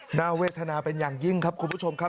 หน้าเวทนาเป็นอย่างยิ่งครับคุณผู้ชมครับ